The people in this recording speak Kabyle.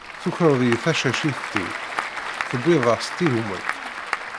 Tukreḍ-iyi tacacit-iw, tewwiḍ-as-tt i gma-k.